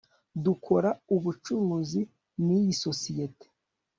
Dukora ubucuruzi niyi sosiyete